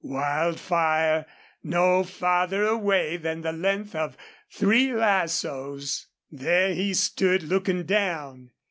Wildfire no farther away than the length of three lassoes! There he stood looking down.